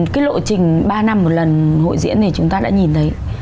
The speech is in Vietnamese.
cái lộ trình ba năm một lần hội diễn này chúng ta đã nhìn thấy